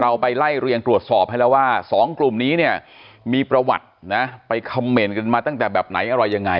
ไปไล่เรียงตรวจสอบให้แล้วว่าสองกลุ่มนี้เนี่ยมีประวัตินะไปคำเมนต์กันมาตั้งแต่แบบไหนอะไรยังไง